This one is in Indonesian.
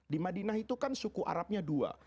di madinah itu kan suku arabnya dua